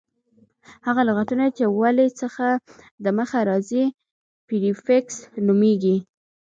هغه لغتونه، چي د ولي څخه دمخه راځي پریفکس نومیږي.